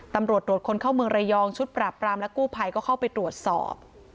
ตำรวจตรวจคนเข้าเมืองระยองชุดปราบปรามและกู้ภัยก็เข้าไปตรวจสอบ